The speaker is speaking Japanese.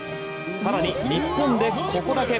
更に、日本でここだけ？